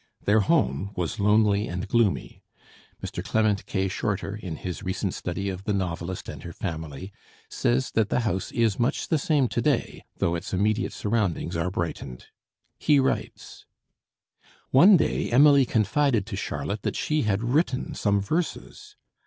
Their home was lonely and gloomy. Mr. Clement K. Shorter, in his recent study of the novelist and her family, says that the house is much the same to day, though its immediate surroundings are brightened. He writes: "One day Emily confided to Charlotte that she had written some verses.